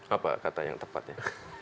apa kata yang tepatnya